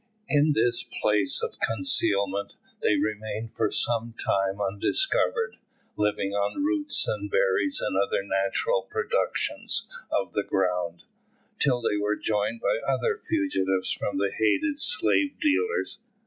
In this place of concealment they remained for some time undiscovered, living on roots, and berries, and other natural productions of the ground, till they were joined by other fugitives from the hated slave dealers.